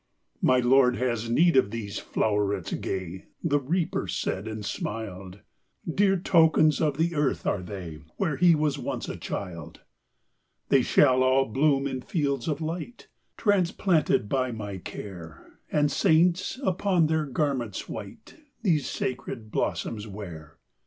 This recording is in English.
"My Lord has need of these flowerets gay,"The Reaper said, and smiled;"Dear tokens of the earth are they, Where He was once a child."They shall all bloom in fields of light, Transplanted by my care, And saints, upon their garments white, These sacred blossoms wear."